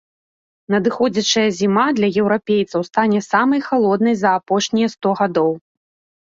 Надыходзячая зіма для еўрапейцаў стане самай халоднай за апошнія сто гадоў.